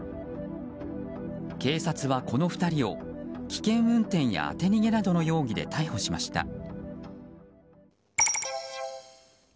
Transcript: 警察は、この２人を危険運転や当て逃げなどの容疑で逮捕しました。